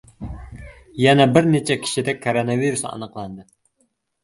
Yana bir necha kishida koronavirus aniqlandi